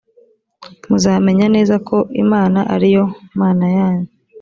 muzamenya neza ko imana ariyo mana yanyu